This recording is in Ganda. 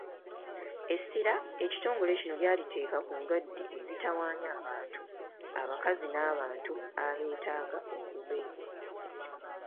Essira ekitongole kino lyaliteeka ku ndwadde ezitawaanya abantu, abakazi n’abantu abeetaaga okubeerwa.